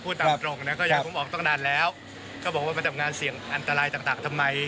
ตามตรงนะก็อย่างผมออกตั้งนานแล้วก็บอกว่ามาทำงานเสี่ยงอันตรายต่างทำไม